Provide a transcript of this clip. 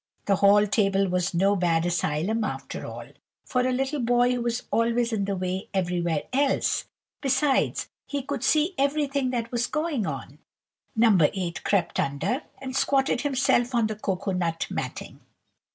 The hall table was no bad asylum, after all, for a little boy who was always in the way everywhere else; besides, he could see everything that was going on. No. 8 crept under, and squatted himself on the cocoa nut matting.